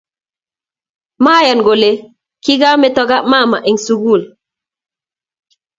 Mayan kole kikameto mama eng sukul.